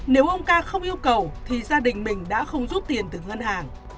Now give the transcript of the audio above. nếu ông ca không yêu cầu thì gia đình mình đã không rút tiền từ ngân hàng